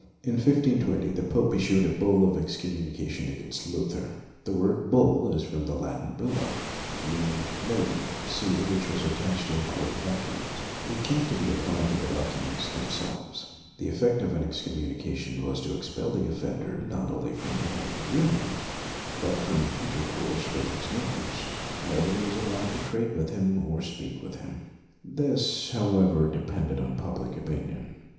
In 1520, the pope issued a bull of excom munication against Luther. The word bull is from the Latin bulla, meaning the leaden seal which was attached to im portant documents. It came to be applied to the documents themselves. The effect of an excommunication was to expel the offender, not only from the Holy Com munion, but from intercourse with his neighbors; nobody was allowed to trade with him or speak to him. This, how ever, depended on public opinion.